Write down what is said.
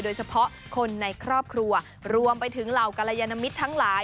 โดยเฉพาะคนในครอบครัวรวมไปถึงเหล่ากรยานมิตรทั้งหลาย